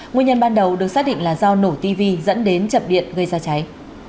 nguyên nhân ban đầu được xác định là do nổ tv dẫn đến chập điện gây ra cháy